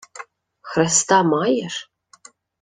— Хреста маєш?